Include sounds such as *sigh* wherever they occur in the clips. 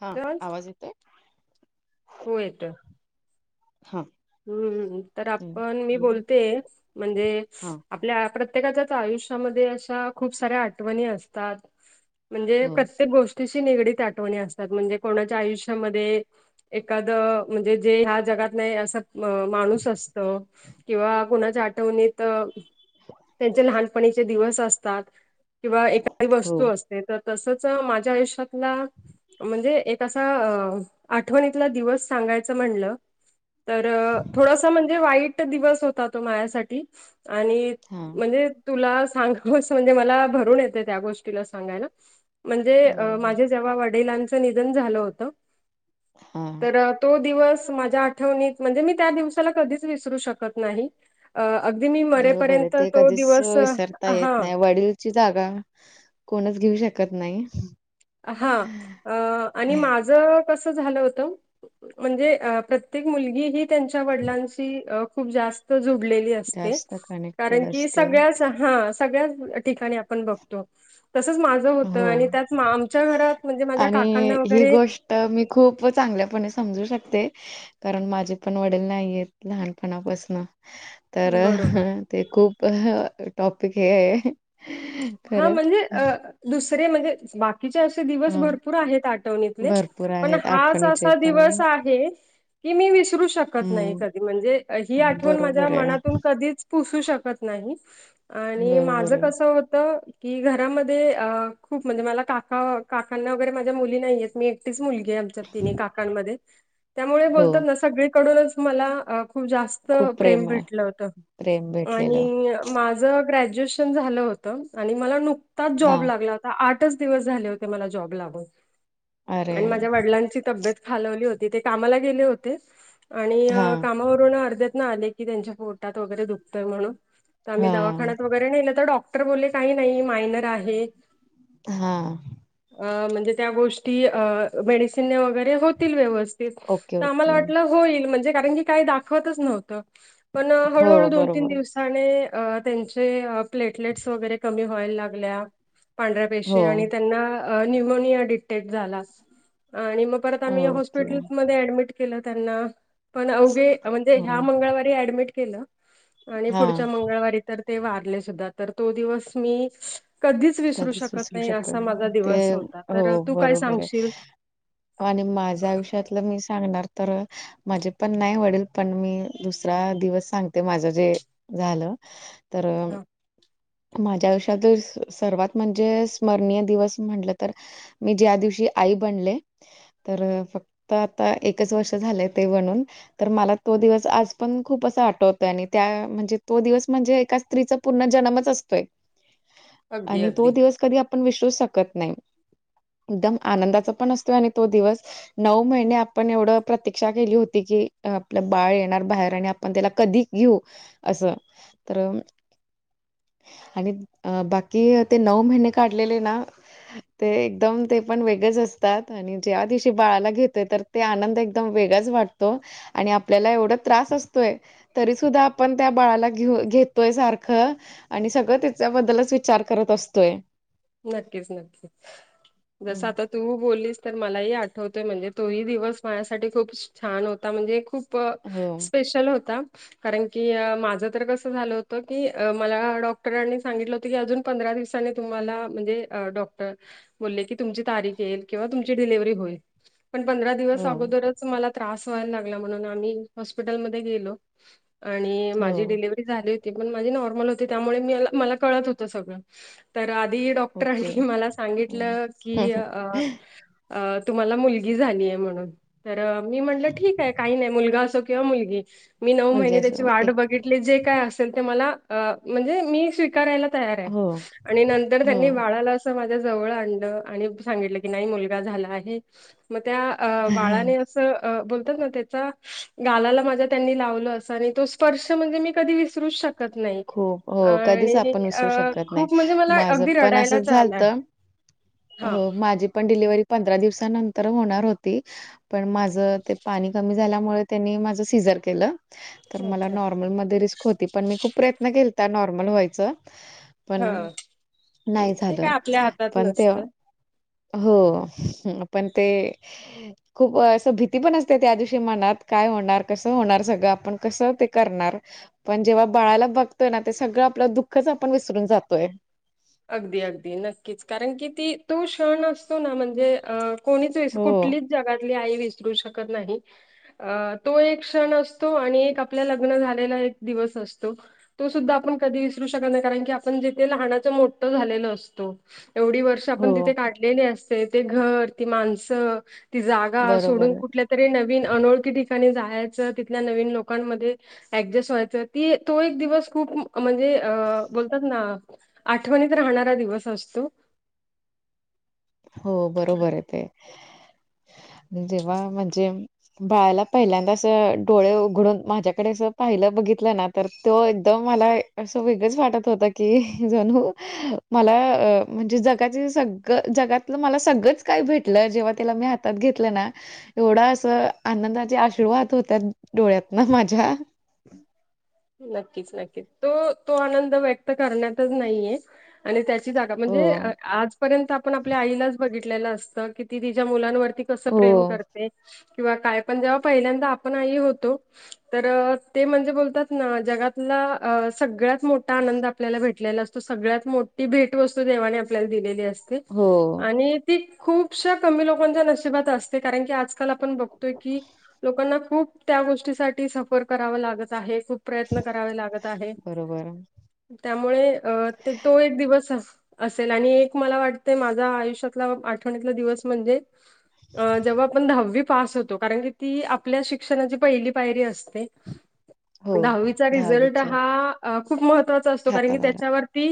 हा आवाज येतोय. हो येत. हा. हम्म तर आपण मी हम्म. बोलते म्हणजे. हा. आपल्या प्रत्येकाच्याच आयुष्यामध्ये अशा खूप साऱ्या आठवणी असतात. म्हणजे हो प्रत्येक गोष्टीची निगडीत आठवणी असतात म्हणजे कोणाच्या आयुष्यामध्ये. एखादं म्हणजे जे ह्या जगात नाही असं. अ माणूस असत किंवा कोणाच्या आठवणीत. तर त्यांचे लहानपणीचे दिवस असतात किंवा एखादी हो वस्तू असतात. ते तर तसच माझ्या आयुष्यातला. म्हणजे एक असा अ आठवणीतला दिवस सांगायचं म्हणलं. तर थोडासा म्हणजे वाईट दिवस होता तो माझ्यासाठी आणि हा म्हणजे. तुला सांग म्हणजे म भरून येते त्या गोष्टीला सांगायला म्हणजे बरोबर माझे. जेव्हा वडिलांचं निधन झालं होतं. हा. तो दिवस माझ्या आठवणीत म्हणजे मी त्या दिवसाला कधीच विसरू शकत नाही. अ अगदी मी बरोबर आहे मरेपर्यंत ते तो कधीच दिवस विसरता येत हा. नाही वडीलची जागा कोणच घेऊ शकत नाही. हा अ आणि माझ. *unintelligible* त्यांच्या वडलांशी खूप जास्त जुडली असते जास्त कनेक्टेड कारण *unintelligible* असते सगळ्या ठिकाणी आपण बघतो तसच माझं होत हो. आणि त्या आणि ही गोष्ट मी खूप चांगल्यापणे समजू शकते. कारण माझे पण वडील नाहीयेत लहानपणापासून तर बरोबर. ते खूप टॉपिक हे आहे. हा खरंच. म्हणजे दुसरे म्हणजे बाकी. बाकीचे असे अ दिवस भरपूर आहेत आठवणीतले भरपूर पण आहेत हाच आठवणीचे असा पण दिवस आहे. की मी विसरू शकत नाही हम्म. कधी म्हणजे ही आठवण माझ्या बरोबर आहे, मनातून कधीच. पुसू शकत नाही आणि बरोबर माझं आहे. कस होत. की घरामध्ये खूप म्हणजे मला काका काकांना वगैरे माझ्या मुली नाहीयेत मी एकटीच मुली. आमच्या तिन्ही काकांमध्ये त्यामुळे हो बोलतात ना सगळीकडूनच मला खूप जास्त खूप प्रेम आहे. भेटलं होतं. प्रेम भेटलेलं. आणि माझं ग्रॅज्युएशन झालं होतं आणि मला नुकताच हा जॉब लागला होता. आठच दिवस झाले होते मला जॉब ला अरे माझ्या वडलांची तब. खालवली होती ते कामाला गेले होते आणि. हा अर् आ क त्यांच्या पोटातगरे दुतय म्हण आम हा दवाख. बर नाही तर डॉक्टर बले काही नाही मायनर आहेत. हा. अ म्हणजे त्या गोष्टी अ मेडिसिन वगैरे. होतील ओके व्यवस्थित ओके आम्हाला वाट होईल म्हणजे कारण की काही दाखवतच नव्हत. पण हो हळूहळू दोन तीन बरोबर दिवसाने त्यांचे प्लेट. वैरे कमी व्हाय लागल्या पांढऱ्या हो पेशी आणि त्यां. न्यमोनिया डिटेक्ट झाला आणि मग परत आम् ओके हॉस्पिटल मध्ये ऍडमिट त्यांना पण अवघे म्हणजे हो ह्या मंगळवारी अऍडमिट केलं आणि हा पुढच्या मंगळवारी तर ते वारले सुद्धा तर तो दिवस मी कधीच विसरू कधीच शकत विसरू नाही असा माझा नाही ते दिवस होता हो तर तू काय बरोबर आहे सांगशील आणि माझ्या आयुष्यातलं मी सांगणार तर माझे पण नाही वडेल पण मी दुसरा दिवस सांगते माझं जे झालं तर हा, माझ्या आयुष्यात सर्वात म्हणजे स्मरणीय दिवस म्हटलं तर मी ज्या दिवशी आई बनले तर फक्त आता एकच वर्ष झालंय ते बणून तर मला तो दिवस आज पण खूप असं आठवतय आणि त्या म्हणजे तो दिवस म्हणजे एका स्त्रीचा पुर्ण जन्मच असतोय अगदी आणि अगदी तो दिवस कधी आपण विसरू शकत नाही एकदम आनंदाचा पण असतो आणि तो दिवस नऊ महिने आपण एवढं प्रतीक्षा केली होती की आपलं बाळ येणार बाहेर आणि आपण त्याला कधी यो असं तर आणि अ बाकी ते नऊ महिने काढलेले ना ते एकदम ते पण वेगळेच असतात आणि ज्या दिवशी बाळाला घेतय तर ते आनंद एकदम वेगळाच वाटतो आणि आपल्याला एवढं त्रास असतोय तरी सुद्धा आपण त्या बाळाला घेऊ घेतोय सारखं आणि सगळं त्याच्याबद्दलच विचार करत असतोय नक्कीच नक्कीच ह जसं आता तू बोललीस तर मलाही आठवतोय म्हणजे तोही दिवस माझ्यासाठी खूप छान होता म्हणजे खूप प हो स्पेशल होता कारण की माझं तर कसं झालं होतं की मला डॉक्टरांनी सांगितलं होत की अजून पंधरा दिवसाने तुम्हाला म्हणजे डॉक्टर बोलले की तुमची तारीख येईल किंवा तुमची डिलव्हरी होईल पण पंधरा दिवस हो अगोदरच मला त्रास व्हायला लागला म्हणून आम्ही हॉस्पिटलमध्ये गेलो आणि हो माझी डिलिव्हरी झाली होती पण माझी नॉर्मल होती त्या मूळ मल्या मला कळत होत सगळ तर आधी ओके डॉक्टरांनी मला हो सांगितलं की अ तुम्हाला मुलगी झाली आहे म्हणून तर मी म्हटलं ठीक आहे काही नाही मुलगा अस किंवा मुलगी मी नऊ मुलगी महिने त्याची असो वाढ एक बघित जे काय असेल ते मला आ म्हणजे मी स्विकारायला तयार आहे हो आणि नंतर हो काळाला अस माझ्या जवळ आणलं आणि सांगितलं की नाही मुलगा झाला आहे मग त्या अ बाळाने असं बोलतात ना त्याचा गालाला माझ्या त्यांनी लावलं असं आणि तो स्पर्श म्हणजे मी कधी विसरूच शको नाही खूप हो आणि खूप म्हणजे मला ण माझ अगदी पण असच रडायलाच झालत आलं. हां. माझी पण डिलिव्हरी आ पंधरा दिवसानंतर होणार होती पण माझ ते पाणी कमी झाल्यामुळे त्यांनी माझ सीझर केलं तर मला अच्छा. नॉर्मल म रिस्क होती पण मी खूप प्रयत्न केता नॉर्मल व्हायच पण हां. नाही ते काय झालं आपल्या हातात पण ते नसतं. हो पण ते खूप असं भीती पण असते त्या दिवशी मनात काय होणार कस होणार सगळं आपण कसं ते करणार पण जेव्हा बाळाला बघतोय ना ते सगळं आपलं दुःखच आपण विसरून जातोय अगदी अगदी नक्कीच कारण की ती तो क्षण असतो ना म्हणजे अ कोणीच वि हो, कुठलीच जगातली आई विसरू शकत नाही अ तो एक क्षण असतो आणि एक आपल्या लग्न झालेला एक दिवस असतो तो सुद्धा आपण कधी विसरू शकत नाही कारण की आपण जेथे लहानाच्या त झालेल असतो एवढी वर्ष आपण तिथे हो. काढलेली अस ते घर ती माणसं ती जागा बरोबर. सोडून आहे. कुठल्या तरी नवीन अनोळखी ठिकाणी जायाचं तिथल्या नवीन लोकांमध्ये ऍडजस्ट व्हायचं ती तो एक दिवस खूप म्हणजे अ बोलतात ना आठवणीत राहणारा दिवस असतो. हो बरोबरे ते जेव्हा म्हणजे बाळाला पहिल्यांदा अस डोळे उघडून माझ्याकडे अस पाहिलं बघितलं ना तर तो एकदम मला असं वेगळंच वाटत होतं की जणू मला म्हणजे जगाची सगळं जगात मला सगळंच काही भेटलं जेव्हा त्याला मी हातात घेतलं ना एवढ अस आनंदाचे अश्रू वहात होत्यात डोळ्यातन माझ्या नक्कीच नक्कीच तो तो आनंद व्यक्त करण्यातच नाहीये. आणि त्याची जागा हो म्हणजे आजपर्यंत आपण आपल्या आईलाच बघितलेलं असतं की ती तिच्या मुलांवर ती कस हो प्रेम करते. किंवा काय पण जेव्हा पहिल्यांदा आपण आई होतो तर ते म्हणजे बोलतात ना जगातला अ सगळ्यात मोठा आनंद आपल्याला भेट टलेला असतो सगळ्यात मोठी भेट वस्तू देवाने आपल्याला दिलेली असते हो आणि ती खूपश्या कमी लोकांच्या नशिबात असते कारण की आज काल आपण बघतोय की लोकांना खूप त्या गोष्टीसाठी सफर कराव लागत आहे खूप प्रयत्न करावे लागत आहे बरोबर त्यामुळे अ ते तो एक दिवस असा असेल आणि एक मला वाटतय माझा आयुष्यातला आठवणीतला दिवस म्हणजे अ जेव्हा आपण दहावी पास होतो कारण की ती आपल्या शिक्षणाची पहिली पायरी असते. हो दहावीचा रिझल्ट दहावीच हा खूप महत्त्वाचा असतो कारण की हातात आला त्याच्यावरती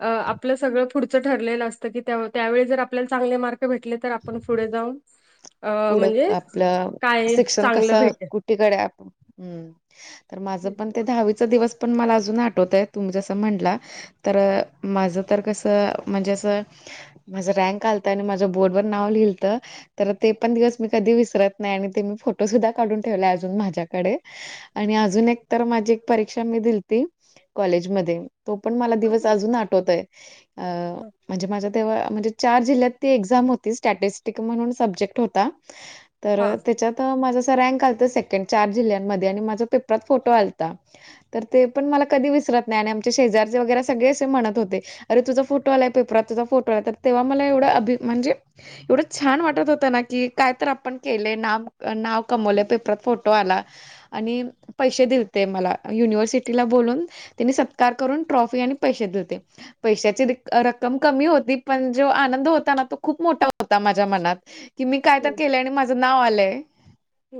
अ आपलं सगळं पुढचं ठरलेलं असतं की त्याव त्यावेळी जर आपल्याला चांगले मार्क भेटले तर आपण पुढे जाऊन अ पुढ म्हणजे आपलं काय शिक्षण कस चांगलं कु भेटेल. टिकडे हम्म तर माझ पण ते दहावी च दिवस पण मला अजून आठवतय तुम्ही जसं म्हनला तर माझं तर कस म्हणजे असं माझं रँक आलता आणि माझ्या बोर्डवर नाव लिहिलंत तर ते पण दिवस मी कधी विसरत नाही आणि ते मी फोटो सुद्धा काढून ठेवले अजून माझ्याकडे आणि अजून एक तर माझी एक परीक्षा मी दिलीती कॉलेज मध्ये तो पण मला दिवस अजून आठवतोय. अ हा म्हणजे माझ्या तेव्हा म्हणजे चार जिल्ह्यात ती एक्झाम होती स्टॅटिस्टिक म्हणून सब्जेक्ट होता तर त्याच्यात तर माझं अस रँक आलत सेकंड चार जिल्ह्यांमध्ये आणि माझा पेपरात फोटो आलता. तर ते पण मला कधी विसरत नाही आणि आमचे शेजारचे वगैरे सगळे असे म्हणत होते. अरे तुझा फोटो आलाय पेपरात तुझा फोटो आलाय तर तेव्हा मला एवढ अभि म्हणजे एवढं छान वाटत होतं ना कि काय तर आपण केलय नाम नाव कमवलय पेपरात फोटो आला. आणि पैसे दिलते मला युनिव्हर्सिटीला बोलून त्यांनी सत्कार करून ट्रॉफी आणि पैसे दिलते. पैशाची रिक रक्कम कमी होती पण ज्यो आनंद होता ना तो खूप मोठा होता माझ्या मनात कि मी काय तर हो केलंय आणि माझं नाव आलंय.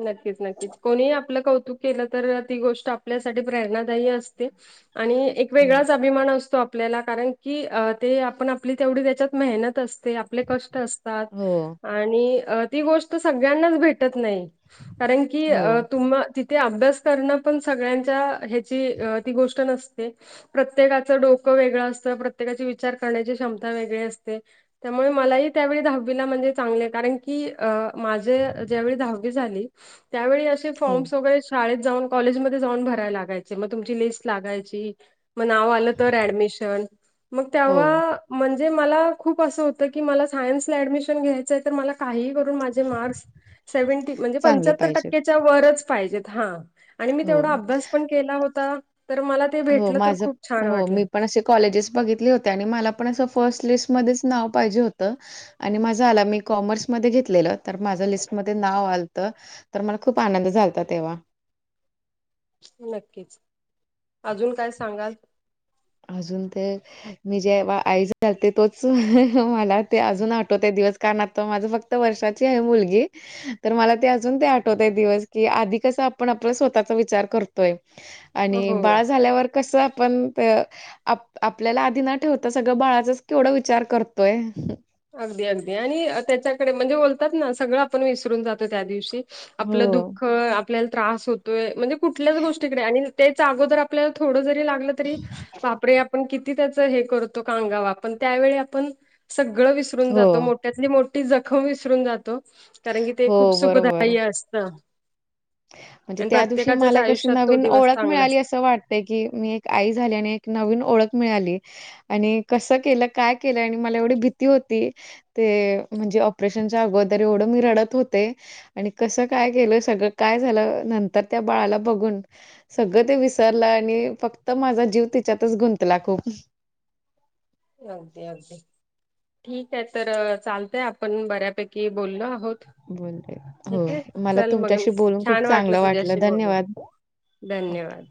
नक्कीच नक्कीच कोणी आपलं कौतुक केलं तर ती गोष्ट आपल्यासाठी प्रेरणादायी असते. आणि एक हो. वेगळाच अभिमान असतो आपल्याला कारण की अ ते आपण आपली तेवढी त्याच्यात मेहनत असते आपले कष्ट अस तात हो, आणि ती गोष्ट सगळ्यांनाच भेटत नाही. कारण की हो, तुम ती ते अभ्यास करणं पण सगळ्यांच्या ह्याची ती गोष्ट नसते. प्रत्येकाचं डोकं वेगळं असतं प्रत्येकाची विचार करण्याची क्षमता वेगळी असते. त्यामुळे मलाही त्यावेळी दहावीला म्हणजे चांगले कारण की माझे ज्यावेळी दहावी. त्यावेळेस असे हो, फॉर्म वगैरे असे. शाळेत जाऊन कॉलेजमध्ये जाऊन भरायला लागायचे मग तुमची लिस्ट लागायची. मग नाव आलं तर ऍडमिशन मग हो. तेव्हा. म्हे मला खूप असं होतं क मला सायन्स ला ऍडमिशन घ्यायचंय तर मला काही कर. माझे मार् सेव्ही म्हणजे चांगले पंर पाहिजेत. टक्क्याच्या वच पाहिजेत हा. आणि मी तेवढा हो. अभ्यास पण केला होता तर मला. ते हो भेटलं तर माझं खूप छान हो मी वाटलं पण असे. कॉलेजेस बघितली होते आणि मला पण असं फर्स्ट लिस्टमध्येध्येच नाव पाहिजे होतं. आणि माझा आला मी कॉमर्समध्येध्ये घेतलेलं तर माझं लिस्टमध्ये नाव आलत. तर मला खूप आनंद झालत तेव्हा. नक्कीच अजून काय सांगाल. अजून ते मी जे आई झाते तोच मला ते अजून आ ते दिवस का नात माझं फक्त वर्षाची आहे मुलगी. तर मला ते अजून ते आठवत आहे दिवस की आधी कसं आपण आपलं स्वतःचा विचार करतोय. आणि हो बाळ झाल्यावर कस आपण. आप आपल्याला आधी न ठेवता सगळं बाळाचाच केवढा विचार करतोय. अगदी अगदी आणि त्याच्याकडे म्हणजे बोलतात ना सगळं आपण विसरून जातो त्या दिवशी. हो आपलं दुःख आपल्याला त्रास होतोय म्हणजे कुठल्याच गोष्टीकडे आणि तेच अगोदर. आपला थोड जरी लागलं तरी वापरे आपण. त्याच हे करतो कांगाव आपण त्यावेळी आपण सगळं विसरून हो जातो. त्यातली मोठी जखम विसरून जातो कारण की ते हो खूप बरोबर सुखदाय्य असत. म्हणजे त्या दिवशी मला कशी तो नवीन दिवस ओळख चांगला मिळाली असतो. असं वाटत. की मी एक आई झाली आणि एक नवीन ओळख मिळाली. आणि कस केलं काय केलं आणि मला एवढी भीती होती. ते म्हणजे ऑपरेशनच्या अगोदर एवढं मी रडत होते. आणि कसं काय केलं सगळं काय झालं नंतर त्या बाळाला बघून. सगळं ते विसरलं आणि फक्त माझा जीव तिच्यातच गुंतला खूप. अगदी अगदी. ठीक आहे तर चालतय आपण बऱ्यापैकी बोललो आहोत. बोलले हो ठीक आहे मला चल मग तुमच्याशी बोलून छान खूप वाटलं चांगलं तुझ्याशी बोल. धन्यवाद. ओके. धन्यवाद!